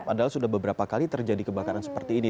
padahal sudah beberapa kali terjadi kebakaran seperti ini